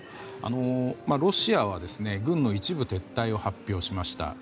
ロシアは軍の一部撤退を発表しました。